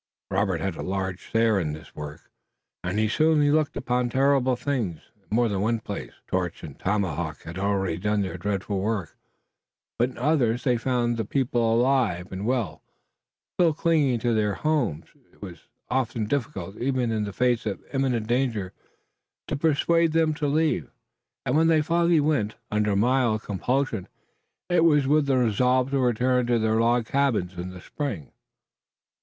Robert had a large share in this work, and sometimes he looked upon terrible things. In more than one place, torch and tomahawk had already done their dreadful work, but in others they found the people alive and well, still clinging to their homes. It was often difficult, even in the face of imminent danger, to persuade them to leave, and when they finally went, under mild compulsion, it was with the resolve to return to their log cabins in the spring.